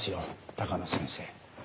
鷹野先生。